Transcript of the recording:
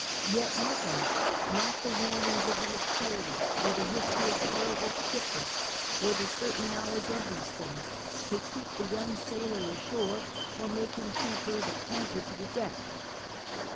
Yet nothing — not the warnings of the experienced or the history of terrible shipwrecks, or the certain knowledge of these things — could keep the yomig sailor ashore or make him prefer the counter tq the deck.